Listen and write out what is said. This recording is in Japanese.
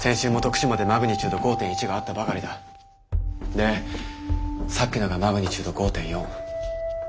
でさっきのがマグニチュード５．４。